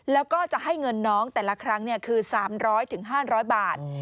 แล้วก็จะให้เงินน้องแต่ละครั้งคือ๓๐๐๕๐๐บาท